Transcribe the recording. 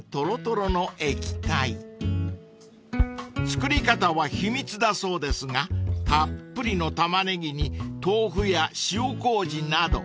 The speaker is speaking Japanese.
［作り方は秘密だそうですがたっぷりのタマネギに豆腐や塩こうじなど］